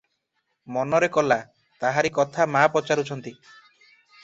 ମନରେ କଲା, ତାହାରି କଥା ମା ପଚାରୁଛନ୍ତି ।